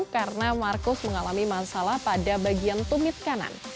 karena marcus mengalami masalah pada bagian tumit kanan